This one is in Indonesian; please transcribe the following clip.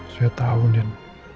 saya tahu din